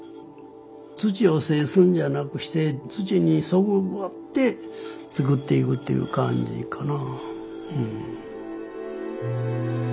土を制すんじゃなくして土にそぐわって作っていくっていう感じかな。